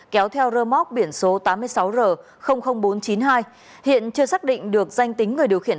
kéo theo rơ móc biển số tám mươi sáu r bốn trăm chín mươi hai hiện chưa xác định được danh tính người điều khiển